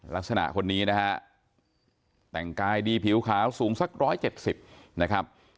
ลักษณะคนนี้นะฮะแต่งกายดีผิวขาสูงสักร้อยเจ็ดสิบนะครับ